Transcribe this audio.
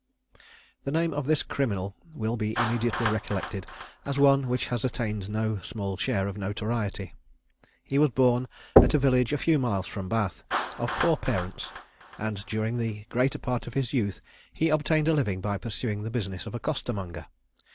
The name of this criminal will be immediately recollected as one which has attained no small share of notoriety. He was born at a village a few miles from Bath, of poor parents; and during the greater part of his youth he obtained a living by pursuing the business of a costermonger.